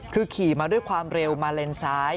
คือขี่มาด้วยความเร็วมาเลนซ้าย